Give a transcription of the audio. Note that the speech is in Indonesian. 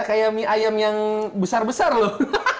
kayak mie ayam yang besar besar loh